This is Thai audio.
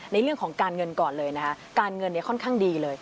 ในเรื่องของการเงินก่อนเลยนะคะการเงินเนี่ยค่อนข้างดีเลย